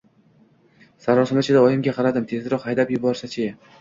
Sarosima ichida oyimga qaradim: tezroq haydab yuborsa-chi!